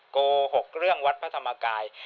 โกหกเรื่องวัดพระธรรมกาย